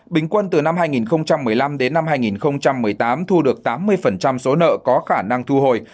bình quân từ năm hai nghìn một mươi năm đến năm hai nghìn một mươi tám thu được tám mươi số nợ có khả năng thu hồi